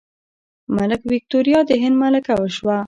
ملکه ویکتوریا د هند ملکه شوه.